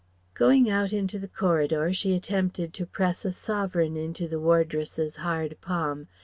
Going out into the corridor, she attempted to press a sovereign into the wardress's hard palm.